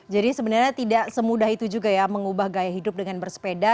jadi sebenarnya tidak semudah itu juga ya mengubah gaya hidup dengan bersepeda